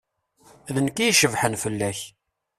D nekk i icebḥen fell-ak.